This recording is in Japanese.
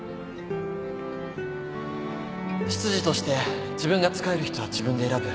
執事として自分が仕える人は自分で選ぶ。